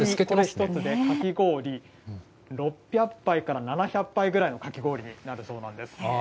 かき氷６００杯から７００杯ぐらいのかき氷になるそうなんです。